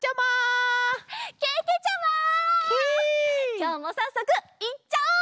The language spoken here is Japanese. きょうもさっそくいっちゃおう！